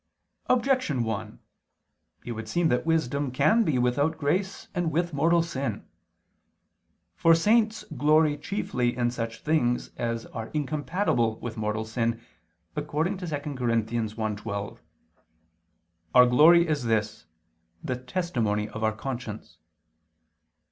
Objection 1: It would seem that wisdom can be without grace and with mortal sin. For saints glory chiefly in such things as are incompatible with mortal sin, according to 2 Cor. 1:12: "Our glory is this, the testimony of our conscience."